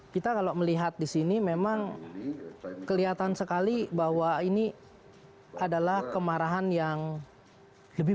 kita kalau melihat di sini memang kelihatan sekali bahwa ini adalah kemarahan yang lebih